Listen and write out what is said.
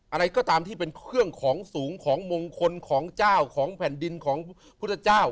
อะไรก็ตามที่เป็นเครื่องของสูงของมงคลของเจ้าของแผ่นดินของพุทธเจ้า